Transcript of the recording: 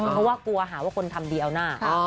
เพราะว่ากลัวหาว่าคนทำดีเอาหน้า